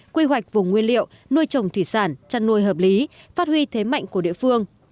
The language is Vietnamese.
quy hoạch vùng nguyên liệu nuôi trồng thủy sản chăn nuôi hợp lý phát huy thế mạnh của địa phương